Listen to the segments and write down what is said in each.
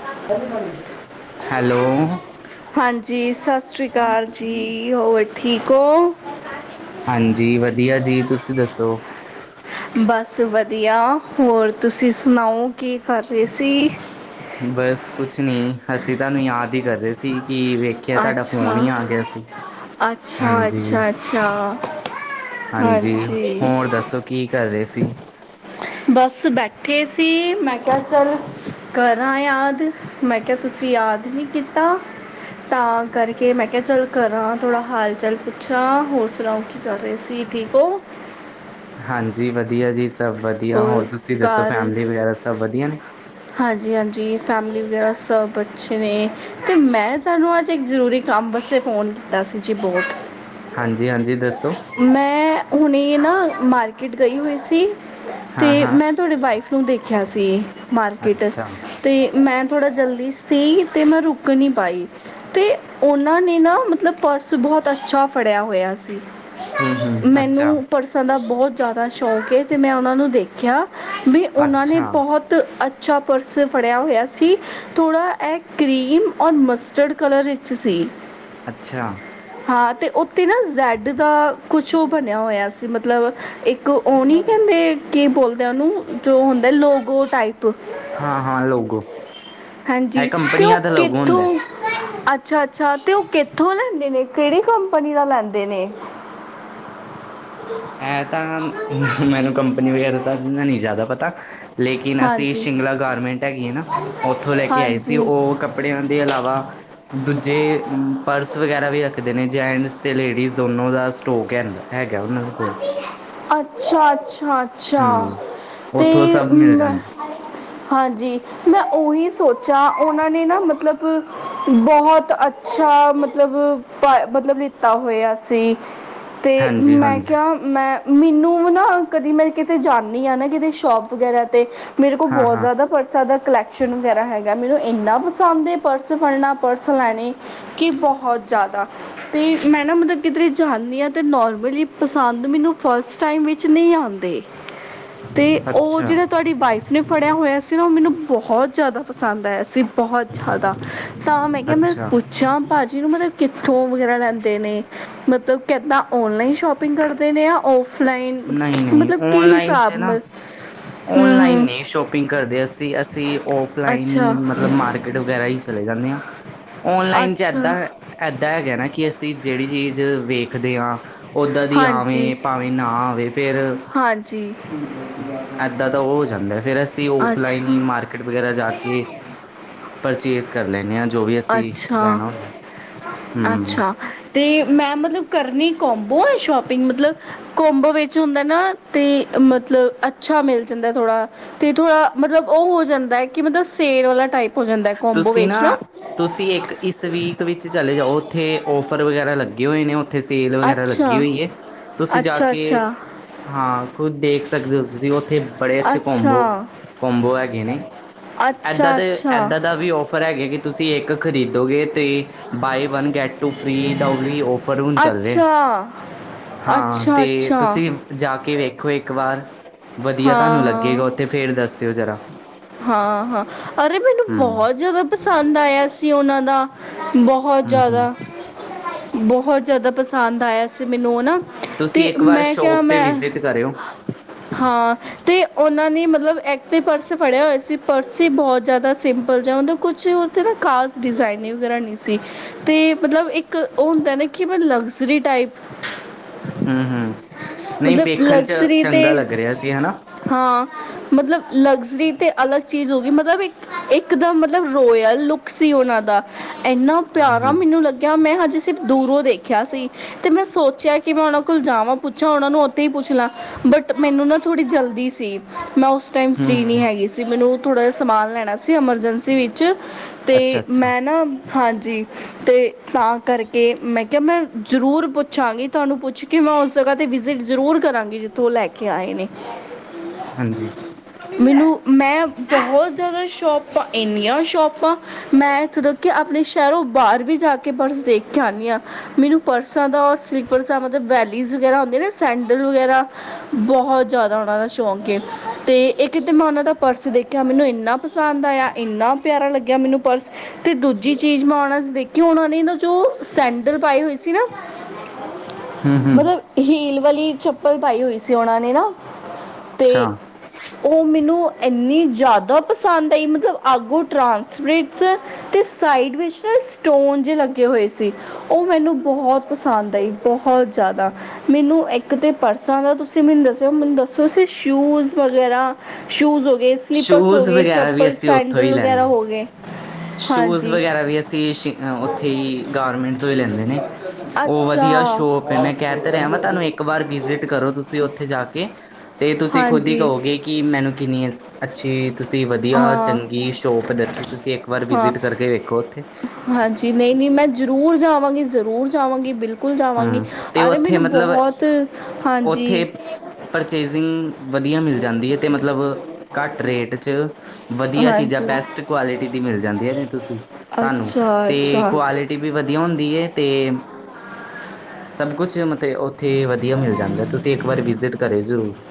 [unintelligible] [inaudible] Hello, ਹਾਂਜੀ, ਸਤਿ ਸ੍ਰੀ ਅਕਾਲ ਜੀ, ਹੋਰ ਠੀਕ ਹੋ। ਹਾਂਜੀ, ਵਧੀਆ ਜੀ, ਤੁਸੀਂ ਦੱਸੋ। ਬਸ, ਵਧੀਆ, ਹੋਰ ਤੁਸੀਂ ਸੁਣਾਓ, ਕੀ ਕਰ ਰਹੇ ਸੀ। ਬਸ ਕੁਛ ਨੀ, ਅਸੀਂ ਤੁਹਾਨੂੰ ਯਾਦ ਹੀ ਕਰ ਰਹੇ ਸੀ। ਕਿ ਦੇਖਿਆ ਤੁਹਾਡਾ ਫੋਨ ਅੱਛਾ ਹੀ ਆ ਗਿਆ ਸੀ। ਅੱਛਾ ਹਾਂਜੀ। ਅੱਛਾ ਅੱਛਾ ਹਾਂਜੀ, ਹੋਰ ਦੱਸੋ, ਕੀ ਕਰ ਰਹੇ ਸੀ। ਬਸ ਬੈਠੇ ਸੀ, ਮੈਂ ਕਿਆ ਚੱਲ ਕਰਾਂ ਯਾਦ। ਮੈਂ ਕਿਹਾ, ਤੁਸੀਂ ਯਾਦ ਨੀ ਕੀਤਾ। ਤਾਂ ਕਰਕੇ, ਮੈਂ ਕਿਹਾ ਚੱਲ ਕਰਾਂ ਥੋੜਾ ਹਾਲ-ਚਾਲ ਪੁੱਛਾਂ, ਹੋਰ ਸੁਣਾਓ? ਕਿ ਕਰ ਰਹੇ ਸੀ ਠੀਕ ਹੋ। ਹਾਂਜੀ, ਵਧੀਆ ਜੀ, ਸਭ ਵਧੀਆ, ਹੋਰ ਤੁਸੀਂ ਦੱਸੋ ਫੈਮਿਲੀ ਵਗੈਰਾ ਸਭ ਵਧੀਆ ਨੇ। ਹਾਂਜੀ-ਹਾਂਜੀ, ਫੈਮਿਲੀ ਵਗੈਰਾ ਸਭ ਅੱਛੇ ਨੇ ਤੇ ਮੈਂ ਤੁਹਾਨੂੰ ਅੱਜ ਇੱਕ ਜ਼ਰੂਰੀ ਕੰਮ ਵਸਤੇ ਫੋਨ ਕੀਤਾ ਸੀ ਜੀ ਬਹੁਤ। ਹਾਂਜੀ-ਹਾਂਜੀ, ਦੱਸੋ! ਮੈਂ, ਹੁਣੇ ਨਾ ਮਾਰਕੀਟ ਗਈ ਹੋਈ ਸੀ। ਹਾਂ, ਤੇ ਹਾਂ ਮੈਂ ਤੁਹਾਡੇ ਵਾਈਫ ਨੂੰ ਦੇਖਿਆ ਸੀ, ਮਾਰਕਿਟ ਅੱਛਾ ਤੇ ਮੈਂ ਥੋੜ੍ਹਾ ਜਲਦੀ ਸੀ ਤੇ ਮੈਂ ਰੁਕ ਨਹੀਂ ਪਾਈ। ਤੇ ਉਹਨਾਂ ਨੇ ਨਾ ਮਤਲਬ ਪਰਸ ਬਹੁਤ ਅੱਛਾ ਫੜਿਆ ਹੋਇਆ ਸੀ। ਹੂੰ, ਹੂੰ ਅੱਛਾ। ਮੈਨੂੰ ਪਰਸਾਂ ਦਾ ਬਹੁਤ ਜ਼ਿਆਦਾ ਸ਼ੌਂਕ ਏ ਤੇ ਮੈਂ ਉਹਨਾਂ ਨੂੰ ਦੇਖਿਆ। ਬਈ ਉਹਨਾਂ ਨੇ ਅੱਛਾ, ਬਹੁਤ ਅੱਛਾ ਪਰਸ ਫੜਿਆ ਹੋਇਆ ਸੀ। ਥੋੜ੍ਹਾ ਏ ਕਰੀਮ ਔਰ ਮਸਟਰਡ ਕਲਰ'ਚ ਸੀ। ਅੱਛਾ। ਹਾਂ, ਤੇ ਉੱਥੇ ਨਾ ਜੈਡ ਦਾ ਕੁਛ ਉ ਬਣਿਆ ਹੋਇਆ ਸੀ ਮਤਲਬ, ਇੱਕ ਉਹ ਨਹੀਂ ਕਹਿੰਦੇ ਕੀ ਬੋਲਦੇ ਉਨੂੰ ਜੋ ਹੁੰਦਾ ਲੋੌਗੋ ਟਾਈਪ। ਹਾਂ, ਹਾਂ ਲੋਗੋ ਇਹ ਹਾਂਜੀ, ਤੇ ਉ ਕੰਪਨੀਆਂ ਦਾ ਲੋਗੋ ਹੁੰਦਾ। ਕਿੱਥੋਂ? ਅੱਛਾ-ਅੱਛਾ, ਤੇ ਉਹ ਕਿੱਥੋਂ ਲੈਂਦੇ ਨੇ, ਕਿਹੜੀ ਕੰਪਨੀ ਦਾ ਲੈਂਦੇ ਨੇ? ਇਹ ਤਾਂ ਮੈਨੂੰ ਕੰਪਨੀ ਵਗੈਰਾ ਤਾਂ ਨੀ ਜ਼ਿਆਦਾ ਪਤਾ। ਲੇਕਿਨ ਅਸੀਂ ਹਾਂਜੀ ਸਿੰਗਲਾ ਗਾਰਮੈਂਟ ਹੈਗੀ ਹੈ ਨਾ, ਬੰਦ ਉੱਥੋਂ ਕਰਕੇ ਲੈ ਕੇ ਆਏ ਸੀ ਹਾਂਜੀ ਉਹ ਕੱਪੜਿਆਂ ਦੇ ਇਲਾਵਾ ਦੂਜੇ ਪਰਸ ਵਗੈਰਾ ਵੀ ਰੱਖਦੇ ਨੇ ਜੈਂਟਸ ਤੇ ਲੇਡੀਜ਼ ਦੋਨੋ ਦਾ ਸਟੋਕ ਹੈ ਅੰਦਰ। ਹੈਗਾ ਉਹਨਾ ਨੂੰ। ਅੱਛਾ-ਅੱਛਾ-ਅੱਛਾ ਹੂੰ ਤੇ ਉੱਥੋਂ ਸਭ ਮਿਲ ਜਾਂਦਾ ਹਾਂਜੀ। ਮੈਂ ਉਹੀ ਸੋਚਾਂ, ਉਹਨਾਂ ਨੇ ਨਾ ਮਤਲਬ ਬਹੁਤ ਅੱਛਾ ਮਤਲਬ ਮਤਲਬ ਲਿੱਤਾ ਹੋਇਆ ਸੀ ਤੇ ਹਾਂਜੀ ਮੈਂ ਹਾਂਜੀ ਕਿਹਾ ਮੈਂ ਮੈਨੂੰ ਨਾ ਕਦੀ ਮੈਂ ਕਿਤੇ ਜਾਂਦੀ ਹਾਂ ਨਾ ਕਿਤੇ ਸ਼ੋਪ ਵਗੈਰਾ ਤੇ ਮੇਰੇ ਕੋਲ ਹਾਂ ਬਹੁਤ ਹਾਂ ਜ਼ਿਆਦਾ ਪਰ- ਸਾ ਦਾ ਕਲੈਕਸ਼ਨ ਵਗੈਰਾ ਹੈਗਾ, ਮੈਨੂੰ ਇੰਨਾ ਪਸੰਦ ਏ ਪਰਸ ਫੜਨਾ, ਪਰਸ ਲੈਣੇ। ਕਿ ਬਹੁਤ ਜ਼ਿਆਦਾ, ਤੇ ਮੈਂ ਨਾ ਮਤਲਬ ਕਿਧਰੇ ਜਾਂਦੀ ਹਾਂ ਅਤੇ ਨੋਰਮਲੀ ਪਸੰਦ ਮੈਨੂੰ ਫਸਟ ਟਾਈਮ ਵਿੱਚ ਨਹੀਂ ਆਦੇ ਤੇ ਉਹ ਅੱਛਾ ਜਿਹੜਾ ਤੁਹਾਡੀ ਵਾਈਫ ਨੇ ਫੜਿਆ ਹੋਇਆ ਸੀ ਨਾ, ਉਹ ਮੈਨੂੰ ਬਹੁਤ ਜ਼ਿਆਦਾ ਪਸੰਦ ਆਇਆ। ਸੀ ਬਹੁਤ ਜ਼ਿਆਦਾ ਤਾਂ ਮੈਂ ਕਿਹਾ ਮੈਂ ਅੱਛਾ ਪੁੱਛਾ, ਭਾਜੀ ਨੂੰ ਮਤਲਬ ਕਿੱਥੋਂ ਵਗੈਰਾ ਲੈਂਦੇ ਨੇ ਮਤਲਬ ਕਿੱਦਾਂ ਔਨਲਾਈਨ ਸ਼ੋ ਪਿੰਗ ਕਰਦੇ ਨੇ ਯਾ ਔਫਲਾਈਨ ਮਤਲਬ ਕਿ ਹਿਸਾਬ ਨਾਲ। ਔਲਾਈਨ ਨੀ ਸ਼ੋਪਿੰਗ ਕਰਦੇ ਅਸੀਂ, ਅਸੀਂ ਔਫਲਾਈਨ ਅੱਛਾ ਹੀ ਮਤਲਬ ਮਾਰ ਕਿਟ ਵਗੈਰਾ ਹੀ ਚਲੇ ਜਾਂਦੇ ਆ। ਔਨਲਾਈਨ'ਚ ਅੱਛਾ ਏਦਾਂ ਇੱਦਾਂ ਹੈਗਾ ਨਾ ਕਿ ਅਸੀਂ ਜਿਹੜੀ ਚੀਜ਼ ਵੇਖਦੇ ਹਾਂ, ਉੱਦਾਂ ਦੀ ਆਵੇ, ਭਾਵੇਂ ਨਾ ਆਵੇ। ਤੇ ਫੇਰ। ਹਾਂ ਜੀ। ਏਦਾਂ ਦਾ ਉ ਹੋ ਜਾਂਦਾ ਫੇਰ ਅਸੀਂ ਔਫਲਾਈਨ ਹੀ ਅੱਛਾ ਮਾਰ ਕਿਟ ਵਗੈਰਾ ਜਾ ਕੇ ਪਰਚੇਸ ਕਰ ਲੈਨੇ ਆ ਜੋ ਵੀ ਅਸੀਂ ਅੱਛਾ ਲੈਨਾ ਹੁੰਦਾ ਐ, ਹੂੰ। ਅੱਛਾ ਤੇ ਮੈਂ ਮਤਲਬ ਕਰਨੀ ਕੋਮਬੋ ਏ ਸ਼ੋਪਿੰਗ ਮਤਲਬ ਕੋਂਮਬੋ ਵਿੱਚ ਹੁੰਦਾ ਨਾ ਤੇ ਮਤਲਬ ਅੱਛਾ ਮਿਲ ਜਾਂਦਾ ਥੋੜਾ। ਤੇ ਥੋੜਾ ਮਤਲਬ ਉਹ ਹੋ ਜਾਂਦਾ ਐ ਕਿ ਮਤਲਬ ਸੇਲ ਵਾਲਾ ਟਾਈਪ ਹੋ ਜਾਂਦਾ ਕੋਂਮਬੋ ਵਿੱਚ ਨਾ। ਤੁਸੀਂ ਇੱਕ ਇਸ ਵੀਕ ਵਿੱਚ ਚਲੇ ਜਾਓ ਉੱਥੇ ਔਫਰ ਵਗੈਰਾ ਲੱਗੇ ਹੋਏ ਨੇ। ਉੱਥੇ ਸੇਲ ਵਗੈਰਾ ਲੱਗੀ ਅੱਛਾ ਹੋਈ ਹੈ, ਤੁਸੀਂ ਜਾ ਅੱਛਾ ਕੇ ਅੱਛਾ ਹਾਂ, ਖੁਦ ਦੇਖ ਸਕਦੇ ਹੋ ਤੁਸੀਂ ਓ- ਉੱਥੇ ਬੜੇ ਅੱਛੇ ਅੱਛਾ ਕੋਂਬੋ ਕੋਂਬੋ ਹੈਗੇ ਨੇ, ਏਦਾਂ ਅੱਛਾ ਦੇ ਅੱਛਾ ਏਦਾਂ ਵੀ ਔਫਰ ਹੈਗਾ ਕਿ ਤੁਸੀਂ ਇੱਕ ਖਰੀਦੋਗੇ ਤੇ buy one get two free ਦਾ ਵੀ ਔਫਰ ਹੁਣ ਚੱਲ ਰਿਹਾ। ਅੱਛਾ ਹਾਂ, ਅੱਛਾ ਤੇ ਅੱਛਾ ਤੁਸੀਂ ਜਾ ਕੇ ਵੇਖੋ, ਇੱਕ ਵਾਰ ਵਧੀਆ ਤੁਹਾਨੂੰ ਹਾਂ ਲੱਗੇਗਾ ਉੱਥੇ ਫੇਰ ਦੱਸਿਓ ਜ਼ਰਾ। ਹਾਂ-ਹਾਂ ਅਰੇ ਮੈਨੂੰ ਹੂੰ ਬਹੋਤ ਜਾ਼ਦਾ ਪਸੰਦ ਆਇਆ ਸੀ ਉਹਨਾਂ ਦਾ। ਬਹੋਤ ਹੂੰ ਹੂੰ ਜਾ਼ਦਾ-ਬਹੋਤ ਜਾ਼ਦਾ ਪਸੰਦ ਆਇਆ ਸੀ ਮੈਨੂੰ ਨਾ। ਤੁਸੀਂ ਅਤੇ ਇੱਕ ਵਾਰ ਮੈਂ ਕਿਹਾ ਸ਼ੋਪ 'ਤੇ ਮੈਂ ਵਿਜਿਟ ਕਰਿਓ। ਹਾਂ, ਤੇ ਉਹਨਾਂ ਨੇ ਮਤਲਬ ਐ ਤੇ ਪਰਸ ਫੜਿਆ ਹੋਇਆ ਸੀ, ਪਰਸ ਸੀ ਬਹੋਤ ਜਾ਼ਦਾ ਸਿੰਪਲ ਜਾਂ ੳੰਦਾ ਕੁਛ ਵੀ ੳਦੇਤੇ ਨਾ ਖਾਸ ਡਿਜ਼ਾਇਨਿੰਗ ਵਗੈਰਾ ਨਈ ਸੀ। ਤੇ ਮਤਲਬ ਇੱਕ ਉਹ ਹੁੰਦਾ ਨਾ ਕਿ ਮੈਂ ਲਗਜ਼ਰੀ ਟਾਈਪ ਹੂੰ- ਹੂੰ ਨਹੀਂ ਮਤਲਬ ਵੇਖਣ ਚ ਲਗਜ਼ਰੀ ਚੰਗਾ ਅਤੇ ਲੱਗ ਰਿਹਾ ਸੀ ਹੈਨਾ। ਹਾਂ, ਮਤਲਬ ਲਗਜ਼ਰੀ ਤੇ ਅਲੱਗ ਚੀਜ਼ ਹੋ ਗਈ ਮਤਲਬ ਇੱਕ ਇੱਕਦਮ ਮਤਲਬ ਰੋਇਲ ਲੁੱਕ ਸੀ ਉਹਨਾਂ ਦਾ। ਏਨਾ ਹੂੰ ਪਿਆਰਾ ਹੂੰ ਮੈਨੂੰ ਲੱਗਿਆ ਮੈਂ ਹਜੇ ਸਿਰਫ ਦੂਰੋਂ ਦੇਖਿਆ ਸੀ। ਤੇ ਮੈਂ ਸੋਚਿਆ, ਕਿ ਮੈਂ ਉਹਨਾਂ ਕੋਲ ਜਾਵਾਂ ਪੁੱਛਾਂ ਉਹਨਾਂ ਨੂੰ ਉੱਥੇ ਹੀ ਪੁੱਛ ਲਾਂ ਬਟ ਮੈਨੂੰ ਨਾ ਥੋੜੀ ਜਲਦੀ ਸੀ। ਮੈਂ ਉਸ ਟਾਈਮ ਹੂੰ ਫਰੀ ਨੀ ਹੂੰ ਹੈਗੀ ਸੀ ਮੈਨੂੰ ਥੋੜਾ ਜ ਸਮਾਨ ਲੈਣਾ ਸੀ ਐਮਰਜੈਂਸੀ ਵਿੱਚ। ਤੇ ਅੱਛਾ ਅੱਛਾ ਮੈਂ ਨਾ, ਹਾਂਜੀ। ਤੇ ਤਾਂ ਕਰਕੇ ਮੈਂ ਕਿਹਾ ਮੈਂ ਜ਼ਰੂਰ ਪੁੱਛਾਂਗੀ ਤੁਹਾਨੂੰ ਪੁੱਛ ਕਿ ਮੈਂ ਉਸ ਜਗਾ 'ਤੇ ਵਿਜ਼ਿਟ ਜ਼ਰੂਰ ਕਰਾਂਗੀ ਜਿੱਥੋਂ ਔ ਲੈ ਕੇ ਕੇ ਆਏ ਨੇ ਹਾਂਜੀ ਮੈਨੂੰ ਮੈਂ ਬਹੋਤ ਜਾ਼ਦਾ ਸ਼ੋਪਾਂ ਇੰਨੀਆਂ ਸ਼ੋਪਾਂ ਮੈਂ ਇਥੋਂ ਕਿ ਆਪਣੇ ਸ਼ਹਿਰੋਂ ਬਾਹਰ ਵੀ ਜਾ ਕੇ ਪਰਸ ਦੇਖ ਕੇ ਆਨੀ ਹਾਂ। ਮੈਨੂੰ ਪਰਸਾਂ ਦਾ ਹੋਰ ਸਲਿਪਰਸ ਦਾ ਮਤਲਬ ਵੈਲੀਜ਼ ਵਗੈਰਾ ਹੁੰਦੀ ਨਾ ਸੈਂਡਲ ਵਗੈਰਾ ਬਹੋਤ ਜ਼ਿਆਦਾ ਉਹਨਾਂ ਦਾ ਸ਼ੌਂਕ ਏ, ਤੇ ਇੱਕ ਤੇ ਮੈਂ ੳਨਾ ਦਾ ਪਰਸ ਦੇਖਿਆ ਮੈਨੂੰ ਏਨਾ ਪਸੰਦ ਆਇਆ ਏਨਾ ਪਿਆਰਾ ਲੱਗਿਆ ਮੈਨੂੰ ਪਰਸ ਤੇ ਦੂਜੀ ਚੀਜ਼ ਮੈਂ ਉਹਨਾ ਚ ਦੇਖੀ ੳਨਾ ਨੇ ਜੋ ਸੈਂਡਲ ਪਾਏ ਹੋਈ ਸੀ ਨਾ ਹੂੰ ਹੂੰ ਮਤਲਬ ਹੀਲ ਵਾਲੀ ਚੱਪਲ ਪਾਈ ਹੋਈ ਸੀ ਉਹਨਾ ਨੇ ਨਾ। ਅੱਛਾ ਤੇ ਉਹ ਮੈਨੂੰ ਏਨੀ ਜ਼ਿਆਦਾ ਪਸੰਦ ਆਈ ਮਤਲਬ ਅੱਗੋਂ ਟਰਾਂਸਫਿਸਚ ਤੇ ਸਾਈਡ ਵਿੱਚ ਨਾ ਸਟੋਨ ਜੇ ਲੱਗੇ ਹੋਏ ਸੀ। ਉਹ ਮੈਨੂੰ ਬਹੋਤ ਪਸੰਦ ਆਈ ਬਹੋਤ ਜਾ਼ਦਾ। ਮੈਨੂੰ ਇੱਕ ਤੇ ਪਰਸਾਂ ਦਾ ਤੁਸੀਂ ਮੈਨੂੰ ਦੱਸਿਆ ਮੈਨੂੰ ਦੱਸੋ ਸ਼ੂਜ ਵਗੈਰਾ ਸ਼ੂਜ਼ ਹੋ ਗਏ, ਸਲੀਪਰਸ ਹੋ ਸ਼ੂਜ਼ ਗਏ, ਵਗੈਰਾ ਵੀ ਚੱਪਲ, ਅਸੀਂ ਉੱਥੋਂ ਹੀ ਸੈਂਡਲ ਵਗੈਰਾ ਲੈਂਦੇ ਹੋ ਗਏ। ਸ਼ੂਜ਼ ਹਾਂਜੀ ਵਗੈਰਾ ਵੀ ਅਸੀਂ ਸੀ ਉੱਥੇ ਹੀ ਗਾਰਮੈਂਟ ਤੋਂ ਹੀ ਲੈਂਦੇ ਨੇ। ਉਹ ਵਧੀਆ ਅੱਛਾ ਸ਼ੋਪ ਏ ਮੈਂ ਕਹਿ ਤਾਂ ਰਿਹਾ ਵਾਂ ਤੁਹਾਨੂੰ ਇੱਕ ਵਾਰ ਵਿਜਿਟ ਕਰੋ ਤੁਸੀਂ ਉੱਥੇ ਜਾ ਕੇ। ਤੇ ਤੁਸੀਂ ਖੁਦ ਹੀ ਹਾਂਜੀ ਕਹੋਗੇ ਕਿ ਮੈਨੂੰ ਕਿੰਨੀ ਅੱਛੀ ਤੁਸੀਂ ਵਧੀਆ, ਹਾਂ ਚੰਗੀ ਸ਼ੋਪ ਦਸੀ ਕਿਉਂਕਿ ਇਕ ਵਾਰ ਹਾਂ ਵਿਜ਼ਿਟ ਕਰਕੇ ਵੇਖੋ ਉੱਥੇ। ਹਾਂਜੀ। ਨਹੀਂ-ਨਹੀਂ। ਮੈਂ ਜ਼ਰੂਰ ਜਾਵਾਂਗੀ-ਜ਼ਰੂਰ ਜਾਵਾਂਗੀ। ਬਿਲਕੁਲ। ਕੁਲ ਜਾਵਾਂਗੀ, ਹੂੰ ਤੇ ਅਰੇ ਉੱਥੇ ਮੈਨੂੰ ਮਤਲਬ ਬਹੁਤ, ਉੱਥੇ ਹਾਂਜੀ ਪਰਚੇਜਿੰਗ ਵਧੀਆ ਮਿਲ ਜਾਂਦੀ ਏ ਤੇ ਮਤਲਬ ਘੱਟ ਰੇਟ 'ਚ ਵਧੀਆ ਚੀਜ਼ਾਂ ਹਾਂਜੀ ਬੈਸਟ ਕੁਆਲਿਟੀ ਦੀ ਮਿਲ ਜਾਂਦੀ ਐ ਜੀ ਤੁਸੀਂ ਤੁਹਾਨੂੰ ਅੱਛਾ ਤੇ ਅੱਛਾ ਕੁਆਲਿਟੀ ਵੀ ਵਧੀਆ ਹੁੰਦੀ ਹੈ ਤੇ ਸਭ ਕੁਛ ਮਤਲਬ ਉੱਥੇ ਵਧੀਆ ਮਿਲ ਜਾਂਦੈ ਤੁਸੀਂ ਇੱਕ ਵਾਰ ਵਿਜ਼ਿਟ ਕਰਿਓ ਜ਼ਰੂਰ।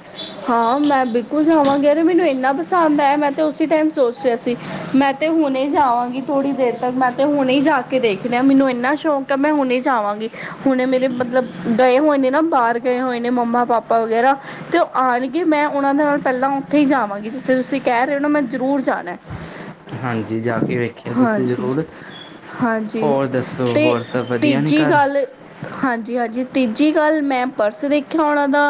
ਹਾਂ, ਮੈਂ ਬਿਲਕੁਲ ਜਾਵਾਂਗੀ। ਅਰੇ ਮੈਨੂੰ ਇੰਨਾ ਪਸੰਦ ਆਇਆ ਮੈਂ ਤੇ ਉਸ ਟਾਈਮ ਸੋਚ ਲਿਆ ਸੀ। ਮੈਂ ਤੇ ਹੁਣੇ ਜਾਵਾਂਗੀ ਥੋੜ੍ਹੀ ਦੇਰ ਤੱਕ। ਮੈਂ ਤੇ ਹੁਣੇ ਜਾ ਕੇ ਦੇਖਨੈ। ਮੈਨੂੰ ਇੰਨਾ ਸ਼ੌਕ ਹੈ ਮੈਂ ਹੁਣੇ ਜਾਵਾਂਗੀ। ਹੁਣੇ ਮੇਰੇ ਮਤਲਬ ਗਏ ਹੋਏ ਨੇ ਨਾ ਬਾਹਰ ਗਏ ਹੋਏ ਨੇ। ਮੰਮਾ- ਪਾਪਾ ਵਗੈਰਾ ਤੇ ਆਣਗੇ, ਮੈਂ ਉਹਨਾਂ ਦੇ ਨਾਲ ਪਹਿਲਾਂ ਉੱਥੇ ਹੀ ਜਾਵਾਂਗੀ। ਜਿੱਥੇ ਤੁਸੀਂ ਕਹਿ ਰਹੇ ਹੋ ਨਾ ਮੈਂ ਜ਼ਰੂਰ ਜਾਣੈ। ਹਾਂਜੀ, ਜਾ ਕੇ ਵੇਖਿਓ ਤੁਸੀਂ ਜ਼ਰੂਰ। ਹਾਂਜੀ ਹੋਰ ਦੱਸੋ ਹੋਰ ਸਭ ਵਧੀਆ ਨੇ ਘਰ? ਹਾਂਜੀ-ਹਾਂਜੀ। ਤੀਜੀ ਗੱਲ ਮੈਂ ਪਰਸ ਦੇਖਿਆ ਉਹਨਾਂ ਦਾ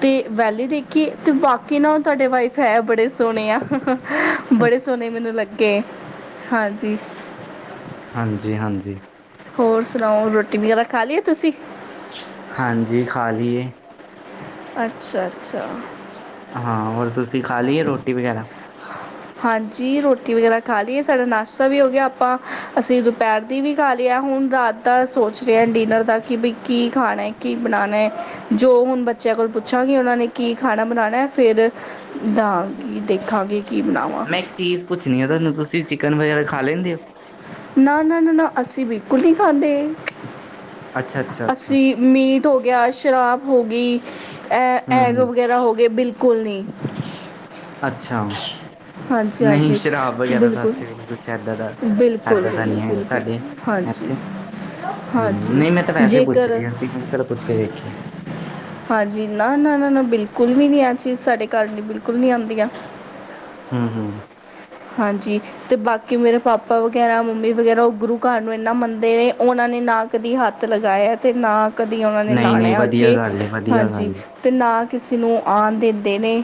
ਤੇ ਵੈਲੀ ਦੇਖੀ ਤੇ ਬਾਕੀ ਨਾ ਤੁਹਾਡੇ ਵਾਈਫ ਹੈ ਬੜੇ ਸੋਹਣੇ ਆ। ਬੜੇ ਸੋਹਣੇ ਮੈਨੂੰ ਲੱਗੇ। ਹਾਂਜੀ। ਹਾਂਜੀ-ਹਾਂਜੀ। ਹੋਰ ਸੁਣਾਓ ਰੋਟੀ ਵਗੈਰਾ ਖਾ ਲਈਏ ਤੁਸੀਂ? ਹਾਂਜੀ। ਖਾ ਲੀਏ। ਅੱਛਾ-ਅੱਛਾ। ਹਾਂ, ਹੋਰ ਤੁਸੀਂ ਖਾ ਲਈਏ ਰੋਟੀ ਵਗੈਰਾ? ਹਾਂਜੀ, ਰੋਟੀ ਵਗੈਰਾ ਖਾ ਲਈਏ। ਸਾਡਾ ਨਾਸ਼ਤਾ ਵੀ ਹੋ ਗਿਆ। ਆਪਾਂ ਅਸੀਂ ਦੁਪਹਿਰ ਦੀ ਵੀ ਖਾ ਲਈ ਐ, ਹੁਣ ਰਾਤ ਦਾ ਸੋਚ ਰਿਹਾ ਡਿਨਰ ਦਾ ਕਿ ਬਈ ਕੀ ਖਾਣਾ ਕੀ ਬਣਾਣੈ? ਜੋ ਹੁਣ ਬੱਚਿਆਂ ਕੋਲ ਪੁੱਛਾਂਗੀ ਉਹਨਾਂ ਨੇ ਕੀ ਖਾਣਾ ਬਣਾਣਾ? ਫੇਰ ਦਾਗੀ ਦੇਖਾਂਗੇ ਕੀ ਬਣਾਓ? ਮੈਂ ਇੱਕ ਚੀਜ਼ ਪੁੱਛਣੀ ਆ ਤੁਹਾਨੂੰ ਤੁਸੀਂ ਚਿਕਨ ਵਗੈਰਾ ਖਾ ਲੈਂਦੇ ਓ? ਨਾ-ਨਾ। ਨਾ-ਨਾ। ਅਸੀਂ ਬਿਲਕੁਲ ਨਹੀਂ ਖਾਂਦੇ। ਅੱਛਾ ਅੱਛਾ ਅੱਛਾ ਅਸੀਂ ਮੀਟ ਹੋ ਗਿਆ, ਸ਼ਰਾਬ ਹੋ ਗਈ, ਹੂੰ ਐਗ ਹੂੰ ਵਗੈਰਾ ਹੋ ਗਏ ਬਿਲਕੁਲ ਕੁਲ ਨੀ। ਅੱਛਾ। ਨਹੀਂ ਹਾਂਜੀ ਸ਼ਰਾਬ ਵਗੈਰਾ ਤਾਂ ਬਿਲਕੁਲ ਅਸੀਂ ਵੀ ਨਹੀਂ ਕੁਛ ਏਦਾਂ ਦਾ ਬਿਲਕੁਲ ਏਦਾਂ ਦਾ ਨੀ ਹੈਗਾ ਬਿਲਕੁਲ ਸਾਡੇ ਹਾਂਜੀ ਇੱਥੇ। ਹੂੰ ਨਹੀਂ ਮੈਂ ਤਾਂ ਹਾਂਜੀ ਵੈਸੇ ਪੁੱਛ ਜੇਕਰ ਰਹੀ ਸੀ ਮੈਂ ਕਿਹਾ ਚਲੋ ਪੁੱਛ ਕੇ ਵੇਖੀਏ। ਹਾਂਜੀ। ਨਾ-ਨਾ ਨਾ-ਨਾ। ਬਿਲਕੁਲ ਵੀ ਨੀ ਆ ਚੀਜ਼ ਸਾਡੇ ਘਰ ਦੀ ਬਿਲਕੁਲ ਨੀ ਆਦੀਆਂ। ਹੂੰ-ਹੂੰ। ਹਾਂਜੀ। ਤੇ ਬਾਕੀ ਮੇਰੇ ਪਾਪਾ ਵਗੈਰਾ ਮੰਮੀ ਵਗੈਰਾ ਉਹ ਗੁਰੂ ਘਰ ਨੂੰ ਇਨਾ ਮੰਨਦੇ ਨੇ ਉਹਨਾਂ ਨੇ ਨਾ ਕਦੀ ਹੱਥ ਲਗਾਇਆ ਤੇ ਨਾ ਕਦੀ ਉਹਨਾਂ ਨੇ ਨਹੀਂ-ਨਹੀਂ ਲਾਣਾ ਵਧੀਆ ਅੱਗੇ, ਗੱਲ ਏ, ਵਧੀਆ ਗੱਲ ਹਾਂਜੀ। ਏ। ਤੇ ਨਾ ਕਿਸੇ ਨੂੰ ਆਉਣ ਦਿੰਦੇ ਨੇ।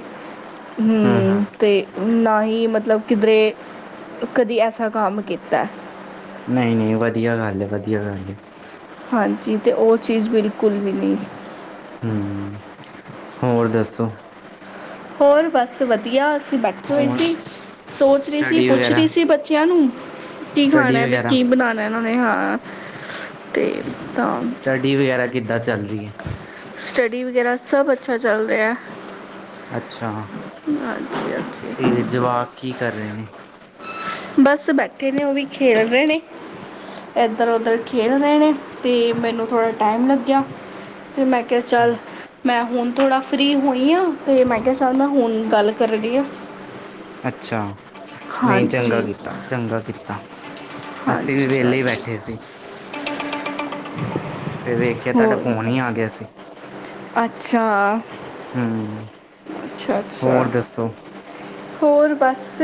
ਹੂੰ। ਹੂੰ-ਹੂੰ, ਤੇ ਨਾ ਹੀ ਮਤਲਬ ਕਿਧਰੇ ਕਦੀ ਐਸਾ ਕੰਮ ਕੀਤਾ। ਨਈ-ਨਈ। ਵਧੀਆ ਗੱਲ ਏ। ਵਧੀਆ ਗੱਲ ਏ। ਹਾਂਜੀ ਤੇ ਉਹ ਚੀਜ਼ ਬਿਲਕੁਲ ਵੀ ਨਹੀਂ। ਹੂੰ, ਹੋਰ ਦੱਸੋ? ਹੋਰ ਬਸ ਵਧੀਆ। ਅ ਬੈਠ ਹੋਏ ਹੋਰ ਸ ਸੀ, ਸੋਚ ਰਹੀ ਸੀ, ਸਟੱਡੀ ਪੁੱਛ ਵਗੈਰਾ, ਰਹੀ ਸੀ ਬੱਚਿਆਂ ਨੂੰ ਕੀ ਸਟੱਡੀ ਖਾਣਾ ਵੀ, ਵਗੈਰਾ, ਕੀ ਬਣਾਣਾ? ਇਹਨਾਂ ਨੇ ਹਾਂ ਤੇ ਤਾਂ। ਸਟੱਡੀ ਵਗੈਰਾ ਕਿੱਦਾਂ ਚੱਲ ਰਹੀ ਹੈ? ਸਟੱਡੀ ਵਗੈਰਾ ਸਭ ਅੱਛਾ ਚੱਲ ਰਿਹਾ। ਅੱਛਾ। ਹਾਂਜੀ ਹਾਂਜੀ ਤੇ ਜਵਾਕ ਕੀ ਕਰ ਰਹੇ ਨੇ? ਬਸ ਬੈਠੇ ਨੇ ਉਹ ਵੀ ਖੇਲ ਰਹੇ ਨੇ। ਇੱਧਰ ਉੱਧਰ ਖੇਲ ਰਹੇ ਨੇ, ਅਤੇ ਮੈਨੂੰ ਥੋੜ੍ਹਾ ਟਾਈਮ ਲੱਗਿਆ। ਫਿਰ ਮੈਂ ਕਿਹਾ ਹੂੰ, ਚੱਲ ਮੈਂ ਹੁਣ ਥੋੜ੍ਹਾ ਫਰੀ ਹੋਈ ਹਾਂ, ਅਤੇ ਮੈਂ ਕਿਹਾ ਸਕ ਮੈਂ ਹੁਣ ਗੱਲ ਕਰ ਰਹੀ ਹਾਂ। ਅੱਛਾ। ਨਹੀਂ ਚੰਗਾ ਹਾਂਜੀ ਕੀਤਾ, ਚੰਗਾ ਕੀਤਾ। ਅੱਸੀ ਵੀ ਹਾਂਜੀ ਵਿਹਲੇ ਹੀ ਬੈਠੇ ਹਾਂਜੀ ਸੀ। ਫਿਰ ਵੇਖਿਆ ਤੁਹਾਡਾ ਹੋਰ ਫੋਨ ਹੀ ਆ ਗਿਆ ਸੀ। ਅੱਛਾ। ਹੂੰ ਅੱਛਾ- ਅੱਛਾ। ਹੋਰ ਦੱਸੋ? ਹੋਰ ਬਸ,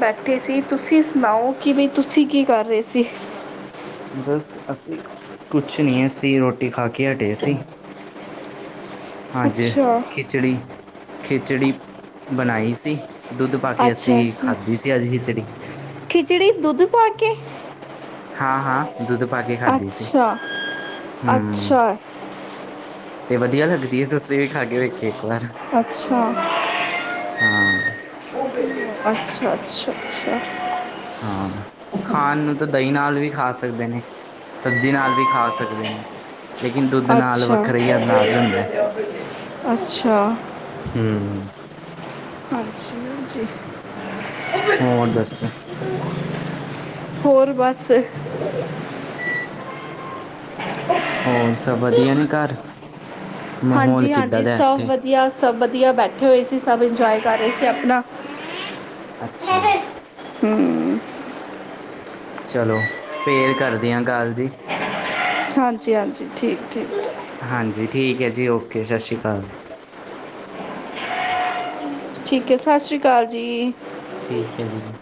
ਬੈਠੇ ਸੀ ਤੁਸੀਂ ਸੁਣਾਓ ਕਿ ਬਈ ਤੁਸੀਂ ਕੀ? ਕਰ ਰਹੇ ਸੀ। ਬਸ ਅਸੀਂ, ਕੁਛ ਨਹੀਂ ਅਸੀਂ ਰੋਟੀ ਖਾ ਕੇ ਹਟੇ ਸੀ। ਹਾਂਜੀ, ਅੱਛਾ ਖਿਚੜੀ- ਖਿਚੜੀ ਬਣਾਈ ਸੀ। ਦੁੱਧ ਪਾ ਕੇ ਅੱਛਾ ਅਸੀਂ ਅੱਛਾ ਖਾਧੀ ਸੀ ਅੱਜ ਖਿਚੜੀ। ਖਿਚੜੀ ਦੁੱਧ ਪਾ ਕੇ। ਹਾਂ- ਹਾਂ। ਦੁੱਧ ਪਾ ਕੇ ਖਾਧੀ ਸੀ। ਅੱਛਾ ਹੂੰ ਅੱਛਾ ਤੇ ਵਧੀਆ ਲੱਗਦੀ ਹੈ ਤੁਸੀਂ ਵੀ ਖਾਗੇ ਵੇਖੇ ਇੱਕ ਵਾਰ। ਅੱਛਾ ਹਾਂ। ਅੱਛਾ- ਅੱਛਾ -ਅੱਛਾ। ਹਾਂ। ਖਾਣ ਨੂੰ ਤਾਂ ਦਹੀਂ ਨਾਲ ਵੀ ਖਾ ਸਕਦੇ ਨੇ। ਸਬਜ਼ੀ ਨਾਲ ਵੀ ਖਾ ਸਕਦੇ ਨੇ। ਲੇਕਿਨ ਦੁੱਧ ਨਾਲ ਅੱਛਾ ਵੱਖਰਾ ਹੀ ਅੰਦਾਜ਼ ਹੁੰਦਾ ਹੈ -ਅੱਛਾ। ਹੂ ਹਾਂਜੀ- ਹਾਂਜੀ। ਹੋਰ ਦੱਸੋ? ਹੋਰ ਬਸ। ਹੋਰ ਸਭ ਵਧੀਆ ਨੇ ਘਰ? ਮਾਹੌਲ ਹਾਂਜੀ- ਕਿੱਦਾਂ ਹਾਂਜੀ। ਦਾ ਹੈ ਸਭ ਇੱਥੇ ਵਧੀਆ, ਸਭ ਵਧੀਆ, ਬੈਠੇ ਹੋਏ ਸੀ ਸਭ ਇੰਜੋਏ ਕਰ ਰਹੇ ਸੀ ਆਪਣਾ। ਅੱਛਾ। ਹੂੰ ਚਲੋ, ਫੇਰ ਕਰਦੇ ਹਾਂ ਗੱਲ ਜੀ। ਹਾਂਜੀ- ਹਾਂਜੀ, ਠੀਕ- ਠੀਕ। ਹਾਂਜੀ, ਠੀਕ ਹੈ ਜੀ ਓਕੇ, ਸਤਿ ਸ਼੍ਰੀ ਅਕਾਲ। ਠੀਕ ਹੈ, ਸਤਿ ਸ਼੍ਰੀ ਅਕਾਲ ਜੀ। ਠੀਕ ਹੈ ਜੀ।